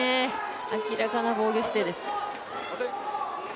明らかな防御姿勢です。